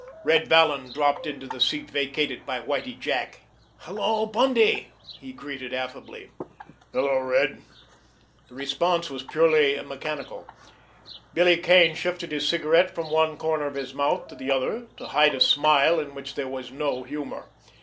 Red Vallon dropped into the seat vacated by Whitie Jack. "Hello, Bundy!" he greeted affably. "Hello, Red!" The response was purely mechanical. Billy Kane shifted his cigarette from one corner of his mouth to the other—to hide a smile in which there was no humor.